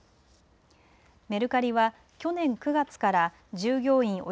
メルカリは去年９月から従業員